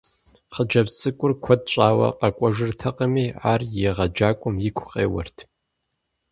Хъыджэбз цӀыкӀур куэд щӏауэ къэкӀуэжыртэкъыми, ар и егъэджакӀуэм игу къеуэрт.